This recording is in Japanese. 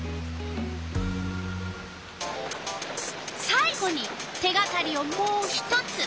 さい後に手がかりをもう一つ。